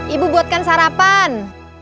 ibu buatkan sarapan